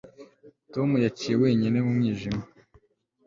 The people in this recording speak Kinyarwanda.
Tom yicaye wenyine mu mwijima